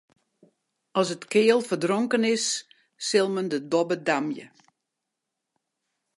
As it keal ferdronken is, sil men de dobbe damje.